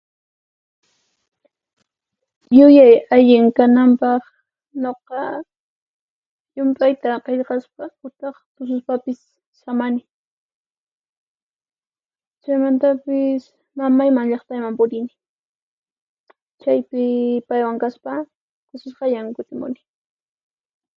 Yuyay allin kananpaq, nuqa llump'ayta qillqaspa utaq tususpapis samani, chaymantapis mamayman llaqtayman purini. Chaypi paywan kaspa kusisqallan kutimuni.